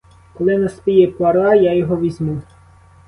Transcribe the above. Коли наспіє пора, я його візьму.